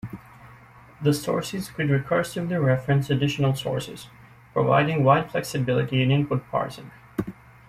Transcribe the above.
The sources could recursively reference additional sources, providing wide flexibility in input parsing.